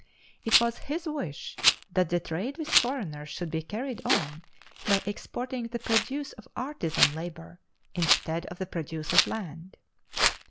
It was his wish that the trade with foreigners should be carried on by exporting the produce of artisan labor, instead of the produce of land.